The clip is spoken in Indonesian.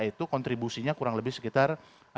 itu kontribusinya kurang lebih sekitar